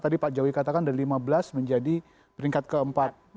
tadi pak jokowi katakan dari lima belas menjadi peringkat keempat